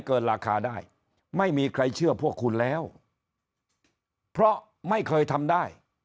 เกินราคาได้ไม่มีใครเชื่อพวกคุณแล้วเพราะไม่เคยทำได้